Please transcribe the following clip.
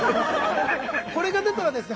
これが出たらですね